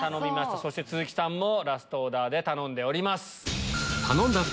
そして都筑さんもラストオーダーで頼んでおります。